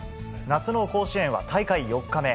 夏の甲子園は大会４日目。